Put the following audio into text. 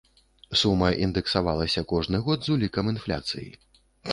Сума індэксавалася кожны год з улікам інфляцыі.